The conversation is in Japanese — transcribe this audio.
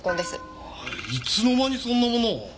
いつの間にそんなものを？